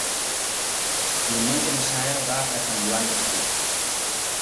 Diumenge na Sara va a Sant Joan Despí.